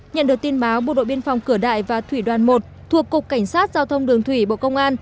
nhận được tin báo bộ đội biên phòng cửa đại và thủy đoàn một thuộc cục cảnh sát giao thông đường thủy bộ công an